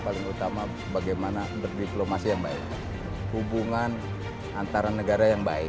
paling utama bagaimana berdiplomasi yang baik hubungan antara negara yang baik